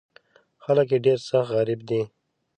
خلک یې ډېر سخت غریب دي.